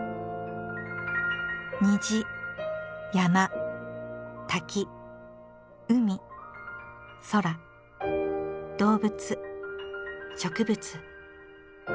虹山滝海空動物植物。